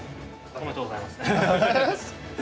ありがとうございます。